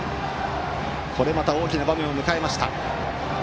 これまた大きな場面を迎えました。